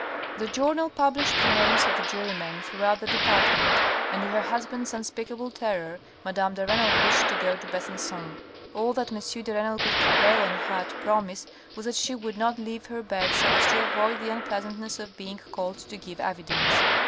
The journal published the names of the jurymen through out the department, and to her husband's unspeakable terror, madame de Renal wished to go to Besancon. All that M. de Renal could prevail on her to promise was that she would not leave her bed so as to avoid the unpleasantness of being called to give evidence.